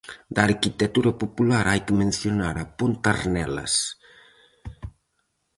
Da arquitectura popular hai que mencionar a ponte Arnelas.